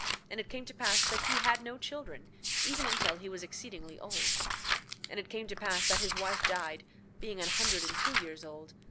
And it came to pass that he had no children even until he was exceedingly old. 9:24 And it came to pass that his wife died, being an hundred and two years old.